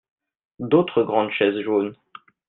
D'autres grandes chaises jaunes.